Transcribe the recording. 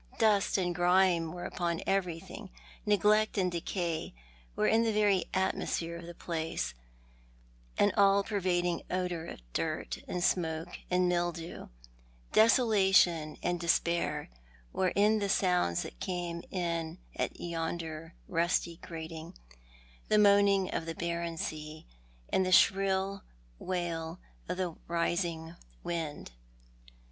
Dust and grime were upon everything, neglect and decay were in the very atmosphere of the place, an all pervading odour of dirt and smoke and mildew. Desolation and despair were in the sounds that came in at yonder rusty grating, the moaning of the barren sea, and the shrill wail of the rising wind.